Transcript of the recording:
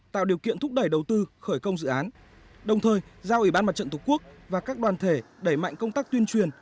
tạo điều kiện thúc đẩy đầu tư khởi công dự án đồng thời giao ủy ban mặt trận tổ quốc và các đoàn thể đẩy mạnh công tác tuyên truyền